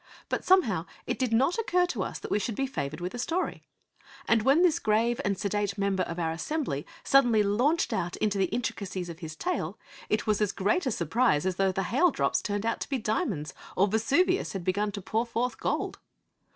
But, somehow, it did not occur to us that we should be favoured with a story. And when this grave and sedate member of our assembly suddenly launched out into the intricacies of his tale, it was as great a surprise as though the haildrops turned out to be diamonds, or Vesuvius had begun to pour forth gold.